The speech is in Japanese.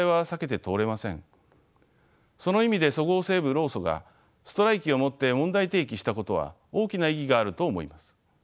その意味でそごう・西武労組がストライキをもって問題提起したことは大きな意義があると思います。